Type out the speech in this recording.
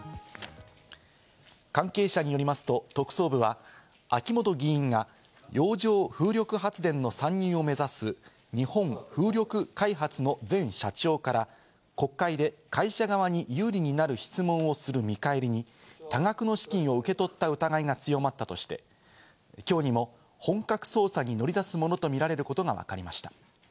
関係者によりますと、特捜部は秋本議員が洋上風力発電の参入を目指す日本風力開発の前社長から国会で、会社側に有利になる質問をする見返りに多額の資金を受け取った疑いが強まったとして、きょうにも本格捜査に乗り出すものとみられることがわかりました。